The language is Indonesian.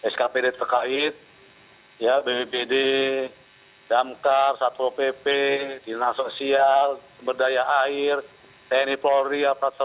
skpd terkait bpbd damkar satu opp dinasosial berdaya air tni polri